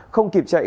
không kịp chạy